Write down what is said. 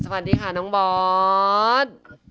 สวัสดีค่ะพี่บอสสวัสดีค่ะพี่บอส